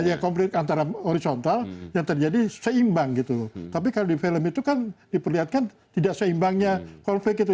yang konflik antara horizontal yang terjadi seimbang gitu tapi kalau di film itu kan diperlihatkan tidak seimbangnya konflik itu